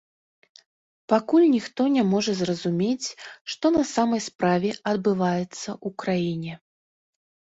Пакуль ніхто не можа зразумець, што на самай справе адбываецца ў краіне.